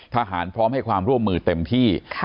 พร้อมให้ความร่วมมือเต็มที่